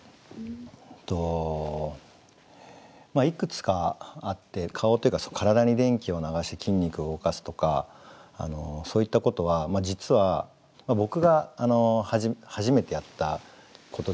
うんとまあいくつかあって顔っていうか体に電気を流して筋肉を動かすとかそういったことは実は僕が初めてやったことではなくて過去にやっている人はいたので。